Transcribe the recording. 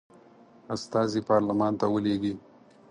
استازي پارلمان ته ولیږي.